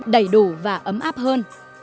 đầy đủ và ấm áp hơn